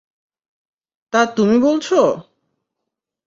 তা তুমি বলছ!